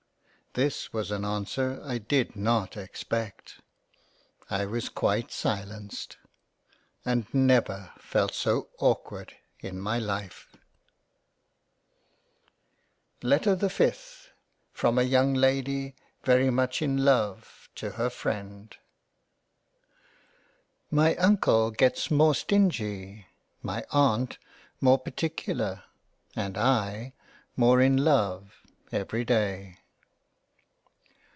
This was an answer I did not expect — I was quite silenced, and never felt so awkward in my Life . 2£2£2X222£X2£2£2222223£ LETTER the FIFTH From a YOUNG LADY very much in love to her Freind MY Uncle gets more stingy, my Aunt more particular, and I more in love every day.